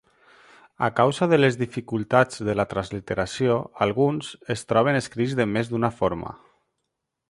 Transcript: A causa de les dificultats de la transliteració, alguns es troben escrits de més d'una forma.